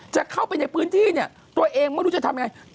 จะเข้าไปในพื้นที่เนี่ยตัวเองไม่รู้จะทำยังไง